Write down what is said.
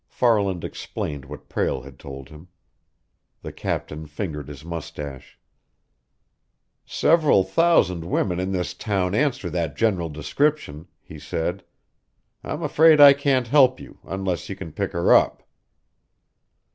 Farland explained what Prale had told him. The captain fingered his mustache. "Several thousand women in this town answer that general description," he said. "I'm afraid I can't help you, unless you can pick her up."